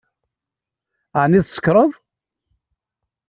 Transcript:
Ɛni tsekṛeḍ?